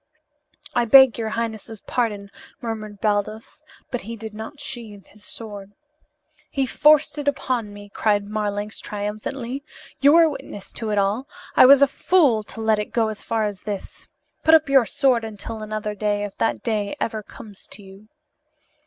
"I beg your highness's pardon," murmured Baldos, but he did not sheathe his sword. "He forced it upon me," cried Marlanx triumphantly. "You were witness to it all. I was a fool to let it go as far as this. Put up your sword until another day if that day ever comes to you."